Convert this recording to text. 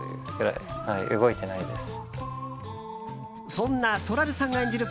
そんなそらるさんが演じる